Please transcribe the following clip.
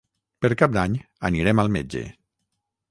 Per Cap d'Any anirem al metge.